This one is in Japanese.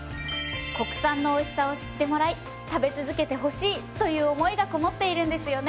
国産の美味しさを知ってもらい食べ続けてほしいという思いがこもっているんですよね？